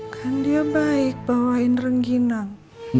kan dia baik bawain rengginang